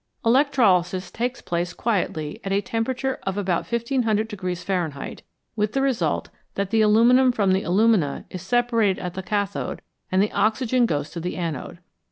Electrolysis takes place quietly at a temperature of about 1500 Fahrenheit, with the result that the aluminium from the alumina is separated at the cathode, and the oxygen goes to the anode.